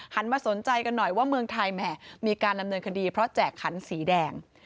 มาสนใจกันหน่อยว่าเมืองไทยแหมมีการดำเนินคดีเพราะแจกขันสีแดง